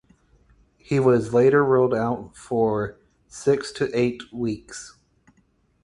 He was later ruled out for six to eight weeks.